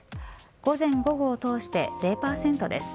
午前、午後を通して０％です。